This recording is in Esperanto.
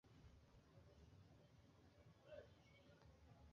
Tiu stacidomo estas ĝenerale konsiderata kiel la plej bela de la urbo.